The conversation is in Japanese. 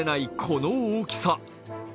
この大きさ。